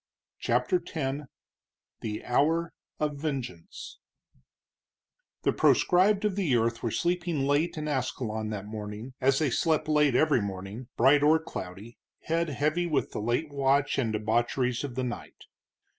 CHAPTER X THE HOUR OF VENGEANCE The proscribed of the earth were sleeping late in Ascalon that morning, as they slept late every morning, bright or cloudy, head heavy with the late watch and debaucheries of the night.